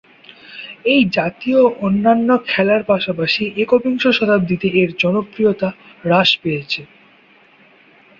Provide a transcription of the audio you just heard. এই জাতীয় অন্যান্য খেলার পাশাপাশি, একবিংশ শতাব্দীতে এর জনপ্রিয়তা হ্রাস পেয়েছে।